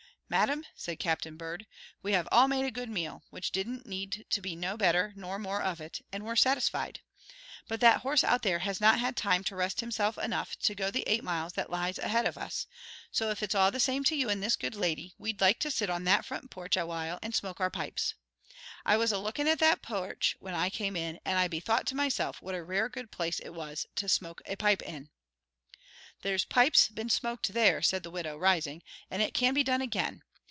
"Madam," said Captain Bird, "we have all made a good meal, which didn't need to be no better nor more of it, and we're satisfied; but that horse out there has not had time to rest himself enough to go the eight miles that lies ahead of us, so, if it's all the same to you and this good lady, we'd like to sit on that front porch awhile and smoke our pipes. I was a looking at that porch when I came in, and I bethought to myself what a rare good place it was to smoke a pipe in." "There's pipes been smoked there," said the widow, rising, "and it can be done again.